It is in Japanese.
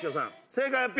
正解発表